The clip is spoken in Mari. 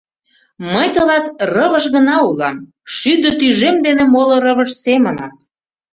Мый тылат рывыж гына улам, шӱдӧ тӱжем дене моло рывыж семынак.